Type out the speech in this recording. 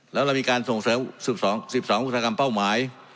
แล้วเรามีการส่งเสริม๑๒อุตสาหกรรมเป้าหมาย